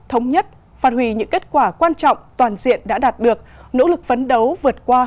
thống nhất phát hủy những kết quả quan trọng toàn diện đã đạt được nỗ lực phấn đấu vượt qua